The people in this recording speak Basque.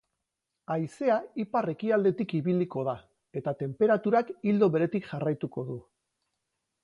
Haizea ipar-ekialdetik ibiliko da eta tenperaturak ildo beretik jarraituko du.